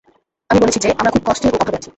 আমি বলেছি যে, আমরা খুব কষ্টে ও অভাবে আছি।